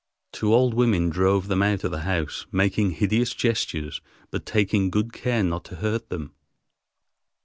Two old women drove them out of the house, making hideous gestures, but taking good care not to hurt them.